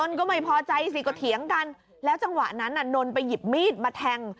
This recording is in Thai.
นก็ไม่พอใจสิก็เถียงกันแล้วจังหวะนั้นน่ะนนไปหยิบมีดมาแทง